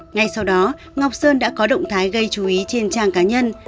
ngay sau đó ngọc sơn đã có động thái gây chú ý trên trang cá nhân